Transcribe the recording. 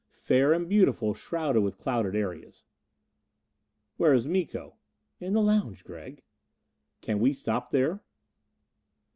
Fair and beautiful, shrouded with clouded areas. "Where is Miko?" "In the lounge, Gregg." "Can we stop there?"